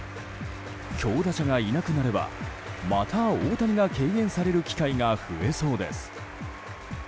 強打者がいなくなればまた大谷が敬遠される機会が増えそうです。